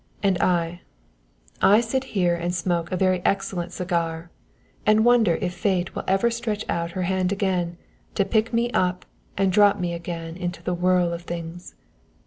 And I I sit here and smoke a very excellent cigar and wonder if Fate will ever stretch out her hand again to pick me up and drop me again into the whirl of things.